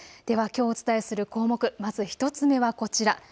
ではきょうお伝えする項目、まず１つ目はこちら。